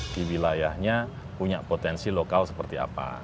di wilayahnya punya potensi lokal seperti apa